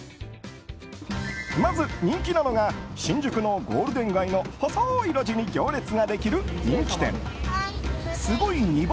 まず人気なのが新宿のゴールデン街の細い路地に行列ができる人気店すごい煮干